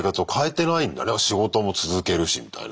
仕事も続けるしみたいな。